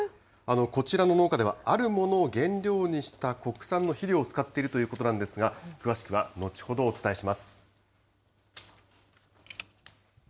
こちらの農家では、あるものを原料にした国産の肥料を使っているということなんですが、詳しくは後ほどお伝えします。